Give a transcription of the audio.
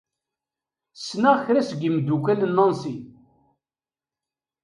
Ssneɣ kra seg yimeddukal n Nancy.